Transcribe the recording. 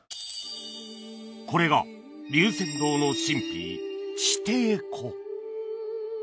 これが龍泉洞の神秘「地底湖」